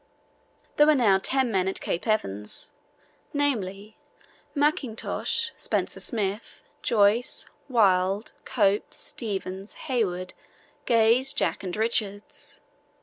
There were now ten men at Cape Evans—namely, Mackintosh, Spencer Smith, Joyce, Wild, Cope, Stevens, Hayward, Gaze, Jack, and Richards.